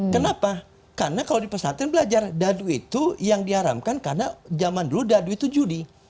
kenapa karena kalau di pesantren belajar dadu itu yang diharamkan karena zaman dulu dadu itu judi